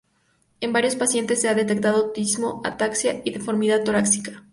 En varios pacientes se ha detectado autismo, ataxia y deformidad torácica.